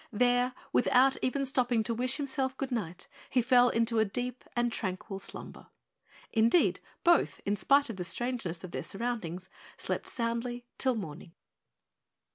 There, without even stopping to wish himself goodnight, he fell into a deep and tranquil slumber. Indeed both, in spite of the strangeness of their surroundings, slept soundly till morning.